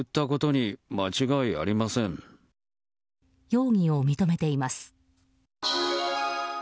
容疑を認めています。